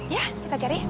ya kita cari